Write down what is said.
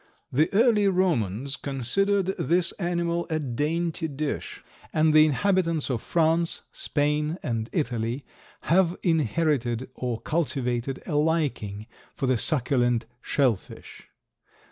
The early Romans considered this animal a dainty dish, and the inhabitants of France, Spain and Italy have inherited or cultivated a liking for the succulent "Shell fish."